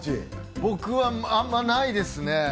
僕はあんまりないですね。